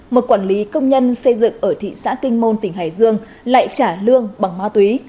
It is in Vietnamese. một quản lý công nhân xây dựng ở thị xã kinh môn tỉnh hải dương lại trả lương bằng ma túy